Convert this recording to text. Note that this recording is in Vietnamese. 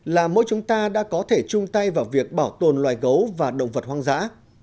là mỗi chúng ta đã có thể chung tay vào việc bảo tồn loài gấu và động vật hoang dã